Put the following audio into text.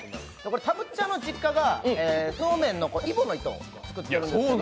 これたぶっちゃんの実家がそうめんの揖保乃糸作っているんですよ。